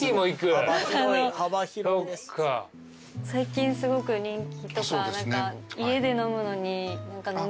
最近すごく人気とか家で飲むのに飲みやすい。